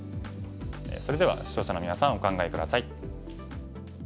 それでは視聴者のみなさんお考え下さい。